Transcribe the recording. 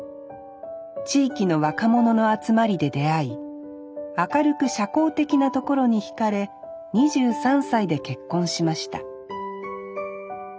地域の若者の集まりで出会い明るく社交的なところにひかれ２３歳で結婚しました